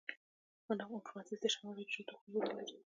مقناطیس د شمال او جنوب دوه قطبونه لري.